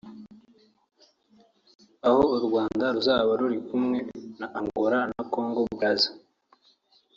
aho u Rwanda ruzaba ruri kumwe na Angola na Congo Brazza